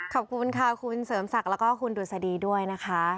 ขอบคุณค่ะคุณเสริมศักดิ์แล้วก็คุณดุษฎีด้วยนะคะ